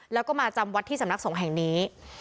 แล้วก็มาจำวัดที่สำนักสงฆ์แห่งนี้